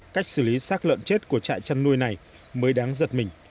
cách xử lý sát lợn chết của trại chăn nuôi này mới đáng giật mình